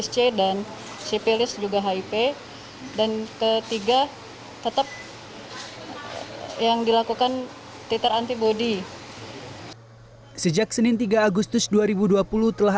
cepilis juga hp dan ketiga tetap yang dilakukan titer antibody sejak senin tiga agustus dua ribu dua puluh telah